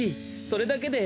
それだけで。